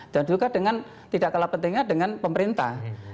dan juga dengan tidak kalah pentingnya dengan pemerintah